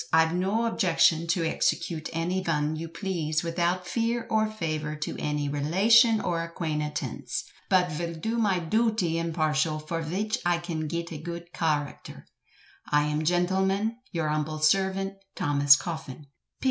Ive no objecshun to exshecute any vun yu pleese, without feer or favur too any relashun or aquanetense, but vill do my dooty imparshul, for vich I can git a goood karacter," I am Gentilmen, Yure humbel sirvent, THOMAS COFFIN."